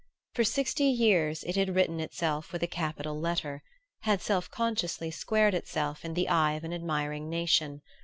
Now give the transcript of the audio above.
For sixty years it had written itself with a capital letter, had self consciously squared itself in the eye of an admiring nation.